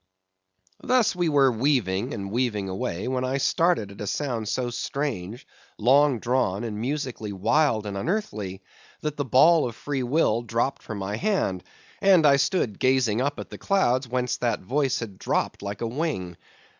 Thus we were weaving and weaving away when I started at a sound so strange, long drawn, and musically wild and unearthly, that the ball of free will dropped from my hand, and I stood gazing up at the clouds whence that voice dropped like a wing.